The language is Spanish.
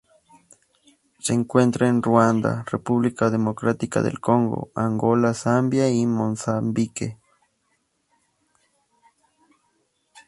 Se encuentra en Ruanda, República Democrática del Congo Angola Zambia y Mozambique.